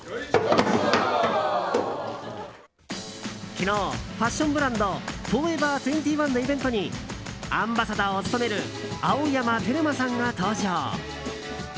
昨日、ファッションブランドＦＯＲＥＶＥＲ２１のイベントにアンバサダーを務める青山テルマさんが登場。